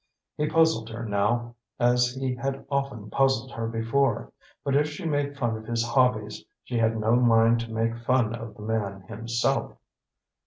He puzzled her now, as he had often puzzled her before; but if she made fun of his hobbies, she had no mind to make fun of the man himself.